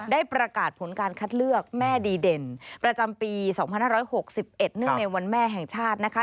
ได้ประกาศผลการคัดเลือกแม่ดีเด่นประจำปี๒๕๖๑เนื่องในวันแม่แห่งชาตินะคะ